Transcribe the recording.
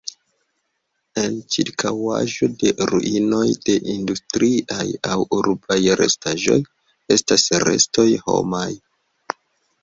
En ĉirkaŭaĵo de ruinoj de industriaj aŭ urbaj restaĵoj estas restoj homaj.